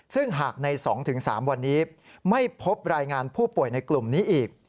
ซึ่งหากใน๒๓วันนี้ไม่พบรายงานผู้ป่วยในกลุ่มนี้อีก